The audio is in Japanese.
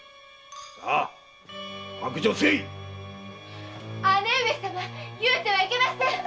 さ白状せい姉上様言うてはいけません。